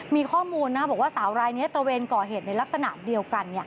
มีข้อมูลนะบอกว่าสาวรายนี้ตระเวนก่อเหตุในลักษณะเดียวกัน